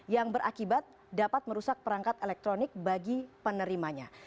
yang berakibat dapat merusak perangkat elektronik bagi penerimanya